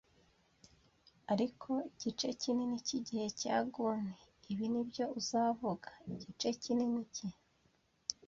ariko igice kinini cyigihe cya Gunn (ibi nibyo uzavuga) - igice kinini cye